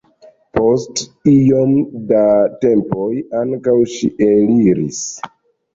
Post iom da tempo ankaŭ ŝi eliris.